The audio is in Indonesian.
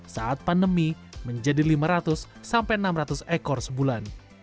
saat pandemi menjadi lima ratus sampai enam ratus ekor sebulan